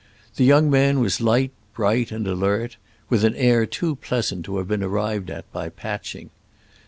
The young man was light bright and alert—with an air too pleasant to have been arrived at by patching.